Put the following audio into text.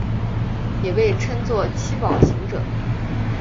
也被称作七宝行者。